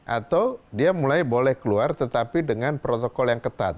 atau dia mulai boleh keluar tetapi dengan protokol yang ketat